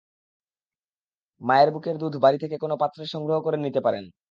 মায়ের বুকের দুধ বাড়ি থেকে কোনো পাত্রে সংগ্রহ করে নিতে পারেন।